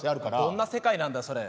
どんな世界なんだよそれ。